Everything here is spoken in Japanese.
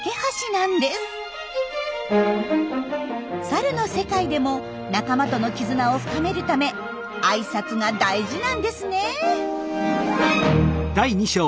サルの世界でも仲間との絆を深めるためあいさつが大事なんですね。